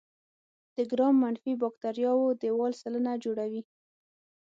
د ګرام منفي باکتریاوو دیوال سلنه جوړوي.